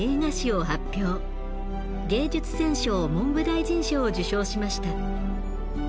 芸術選奨文部大臣賞を受賞しました。